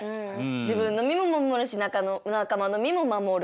自分の身も守るし仲間の身も守る。